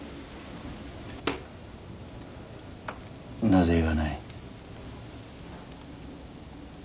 なぜ言わない？